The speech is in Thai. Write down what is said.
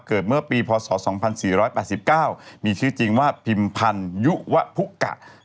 เมื่อปีพศ๒๔๘๙มีชื่อจริงว่าพิมพันยุวะพุกะ